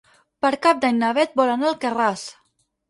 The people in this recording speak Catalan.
Per Cap d'Any na Beth vol anar a Alcarràs.